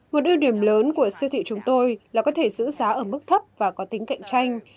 một ưu điểm lớn của siêu thị chúng tôi là có thể giữ giá ở mức thấp và có tính cạnh tranh